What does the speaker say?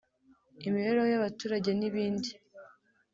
imibereho y’abaturage n’ibindi